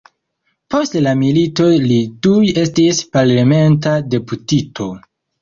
Post la milito li tuj estis parlamenta deputito.